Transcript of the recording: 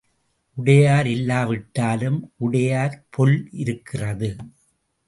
உடையார் இல்லாவிட்டாலும் உடையார் பொல் இருக்கிறது.